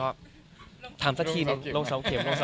ก็มีไปคุยกับคนที่เป็นคนแต่งเพลงแนวนี้